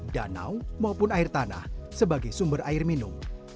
danau maupun air tanah sebagai sumber air minum